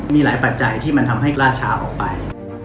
มีหลายปัจจัยที่มันทำให้กล้าช้าออกไป